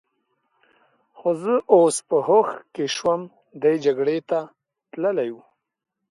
خو زه اوس په هوښ کې شوم، دی جګړې ته تلی و.